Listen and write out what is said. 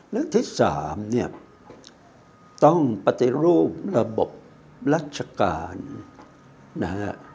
และที่สามเนี่ยต้องปฏิรูประบบรัชการนะฮะ